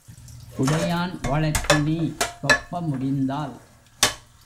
உடையான் வழக்கினி தொப்ப முடிந்தால்